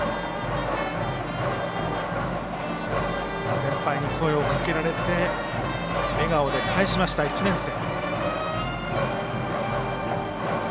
先輩に声をかけられて笑顔で返しました、１年生。